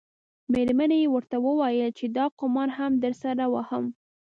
میرمنې یې ورته وویل چې دا قمار هم درسره وهم.